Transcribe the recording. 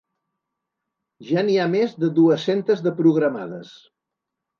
Ja n’hi ha més de dues-centes de programades.